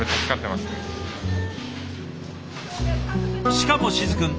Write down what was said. しかも静くん